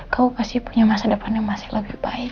kau pasti punya masa depan yang masih lebih baik